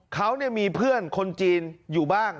เขามีเพื่อนคนจีนอยู่บ้าง